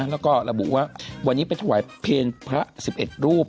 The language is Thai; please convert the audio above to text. แล้วก็ระบุว่าวันนี้ไปถวายเพลพระ๑๑รูป